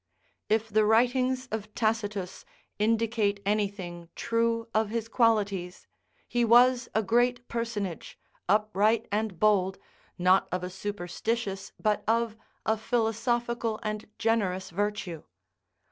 If the writings of Tacitus indicate anything true of his qualities, he was a great personage, upright and bold, not of a superstitious but of a philosophical and generous virtue.